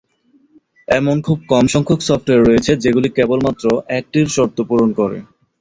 এমন খুব কম সংখ্যক সফটওয়্যার রয়েছে যেগুলি কেবলমাত্র একটির শর্ত পূরণ করে।